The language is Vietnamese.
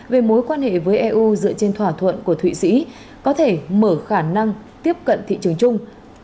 về mối quan hệ với eu dựa trên thỏa thuận của thụy sĩ có thể mở khả năng tiếp cận thị trường chung